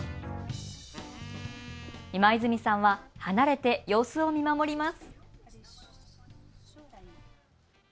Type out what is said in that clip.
今泉さんは離れて様子を見守ります。